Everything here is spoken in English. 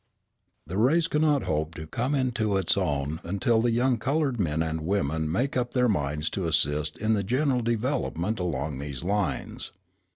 The race cannot hope to come into its own until the young coloured men and women make up their minds to assist in the general development along these lines.